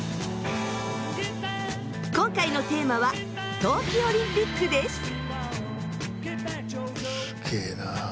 今回のテーマは冬季オリンピックです。